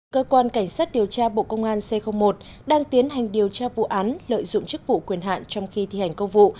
cơ quan cảnh sát điều tra bộ công an c một đang tiến hành điều tra vụ án lợi dụng chức vụ quyền hạn trong khi thi hành công vụ